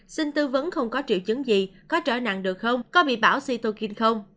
xin tư vấn không có triệu chứng gì có trở nặng được không có bị bão cytokine không